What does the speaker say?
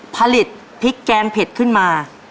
ผลิตพริกแกงเผ็ดขึ้นมา